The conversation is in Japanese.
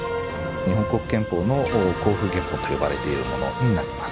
日本国憲法の公布原本と呼ばれているものになります。